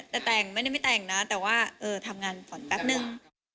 แต่แต่งไม่ได้ไม่แต่งนะแต่ว่าทำงานฝันแป๊บนึง